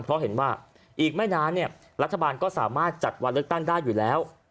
เพราะเห็นว่าอีกไม่นานเนี่ยรัฐบาลก็สามารถจัดวันเลือกตั้งได้อยู่แล้ว